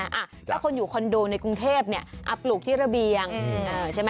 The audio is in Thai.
ถ้าคนอยู่คอนโดในกรุงเทพปลูกที่ระเบียงใช่ไหม